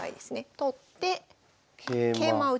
取って桂馬を桂馬。